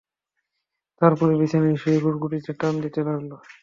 তার পরে বিছানায় শুয়ে গুড়গুড়িতে টান দিতে লাগল।